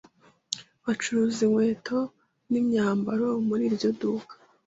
Bacuruza inkweto n'imyambaro muri iryo duka.